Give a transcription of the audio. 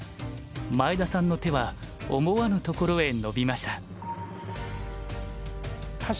前田さんの手は思わぬところへ伸びました。